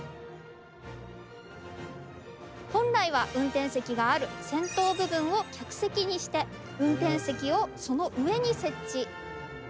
本来は運転席がある先頭部分を客席にして運転席をその上に設置。